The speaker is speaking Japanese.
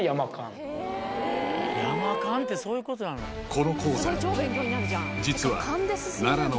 ［この鉱山実は］